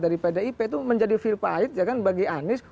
dari pdip itu menjadi feel pahit ya kan bagi anies